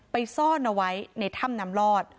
ซ่อนเอาไว้ในถ้ำน้ำลอด